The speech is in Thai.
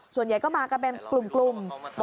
ส่วนใหญ่ก็มากันเป็นกลุ่ม